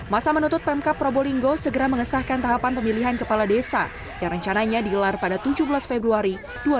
masa menuntut pemkap probolinggo segera mengesahkan tahapan pemilihan kepala desa yang rencananya digelar pada tujuh belas februari dua ribu dua puluh